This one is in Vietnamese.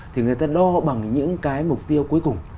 thì người ta đo bằng những cái mục tiêu cuối cùng